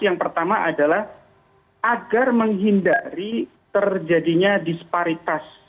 yang pertama adalah agar menghindari terjadinya disparitas